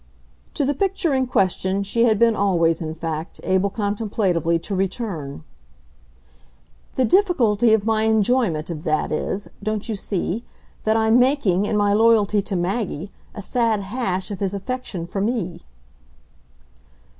To the picture in question she had been always, in fact, able contemplatively to return. "The difficulty of my enjoyment of that is, don't you see? that I'm making, in my loyalty to Maggie, a sad hash of his affection for me."